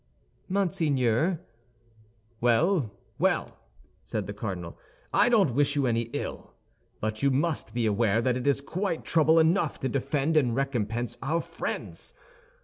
"Monseigneur—" "Well, well," said the cardinal, "I don't wish you any ill; but you must be aware that it is quite trouble enough to defend and recompense our friends.